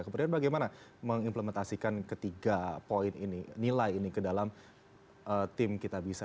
kemudian bagaimana mengimplementasikan ketiga poin ini nilai ini ke dalam tim kitabisa